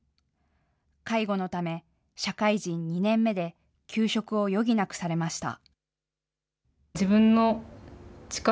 介護のため、社会人２年目で休職を余儀なくされました。